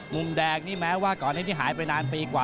มุมแดงนี่แม้ว่าก่อนนี้ที่หายไปนานปีกว่า